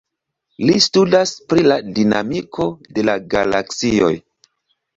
Li studas pri la dinamiko de la galaksioj.